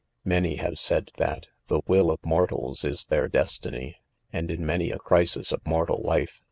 '* Many have said that 4 the will of mortals is their destiny f. .and in many a crisis of mortal life, ■.